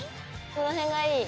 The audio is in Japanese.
この辺がいい。